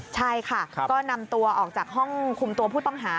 ใช่ค่ะก็นำตัวออกจากห้องคุมตัวผู้ต้องหา